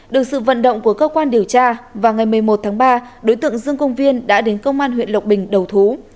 được sự vận động của cơ quan điều tra vào ngày một mươi một tháng ba đối tượng dương công viên đã đến công an huyện lộc bình đầu thú